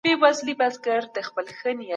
ایا افراطي مینه او افراطي کرکه دواړه زیانمنې دي؟